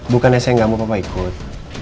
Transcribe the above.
bukan aja saya gak mau papa ikut